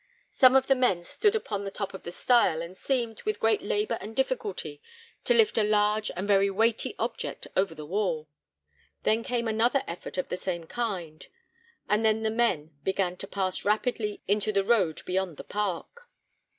Some of the men stood upon the top of the stile, and seemed, with great labour and difficulty, to lift a large and very weighty object over the wall. Then came another effort of the same kind, and then the men began to pass rapidly into the road beyond the park.